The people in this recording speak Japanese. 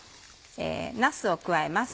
なすを加えます。